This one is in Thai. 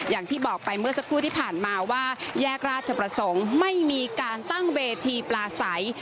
อย่างที่บอกไปเมื่อสักครู่ที่ผ่านมาว่าแยกราชประสงค์ไม่มีการตั้งเวทีปลาใส